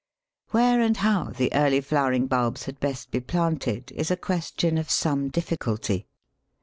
Where and how the early flowering bulbs had best be planted is a question of some difficulty.